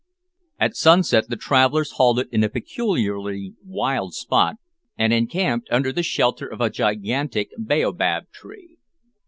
At sunset the travellers halted in a peculiarly wild spot and encamped under the shelter of a gigantic baobab tree.